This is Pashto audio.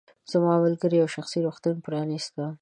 زما ملګرې یو شخصي روغتون پرانیسته.